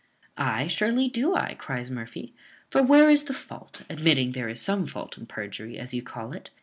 "Ay, surely do I," cries Murphy; "for where is the fault, admitting there is some fault in perjury, as you call it?